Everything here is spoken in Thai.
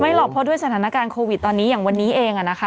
หรอกเพราะด้วยสถานการณ์โควิดตอนนี้อย่างวันนี้เองนะคะ